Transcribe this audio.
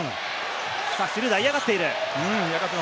シュルーダーが嫌がっている。